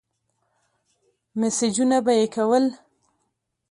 مسېجونه به يې کول.